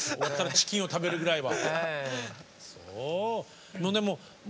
チキンを食べるぐらいは。